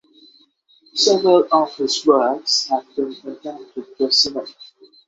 Several of his works have been adapted for cinema.